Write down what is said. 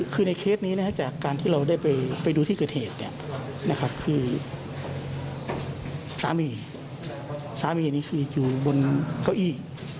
คือในเคสนี้จากการที่เราได้ไปดูที่เกิดเหตุคือสามีสามีนี้คืออยู่บนเก้าอี้